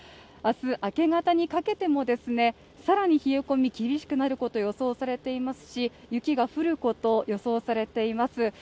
明日明け方にかけても、更に冷え込み厳しくなること、予想されていますし雪が降ること、予想されています。